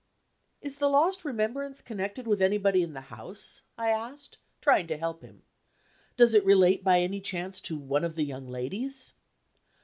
"Is the lost remembrance connected with anybody in the house?" I asked, trying to help him. "Does it relate, by any chance, to one of the young ladies?"